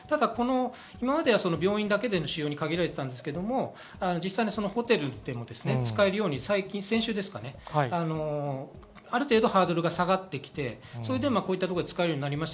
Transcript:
今までは病院だけでの使用に限られていましたが、実際ホテルでも使えるように最近、先週、ある程度ハードルが下がってきて使えるようになりました。